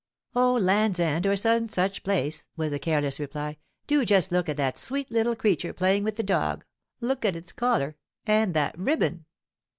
"Oh, Land's End, or some such place," was the careless reply. "Do just look at that sweet little creature playing with the dog! Look at its collar! And that ribbon!"